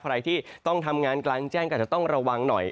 ใครที่ต้องทำงานกลางแจ้งก็อาจจะต้องระวังหน่อย